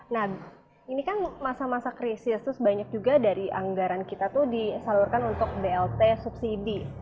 nah ini kan masa masa krisis tuh sebanyak juga dari anggaran kita tuh disalurkan untuk blt subsidi